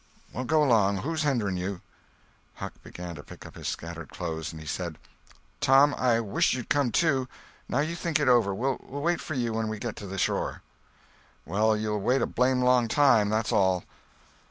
"Well, go 'long—who's hendering you." Huck began to pick up his scattered clothes. He said: "Tom, I wisht you'd come, too. Now you think it over. We'll wait for you when we get to shore." "Well, you'll wait a blame long time, that's all."